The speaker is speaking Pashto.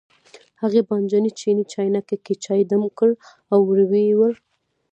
هغې بانجاني چیني چاینکه کې چای دم کړ او ور یې وړ.